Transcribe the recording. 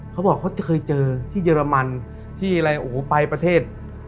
เขาบอกเขาจะเคยเจอที่เยอรมันที่อะไรโอ้โหไปประเทศ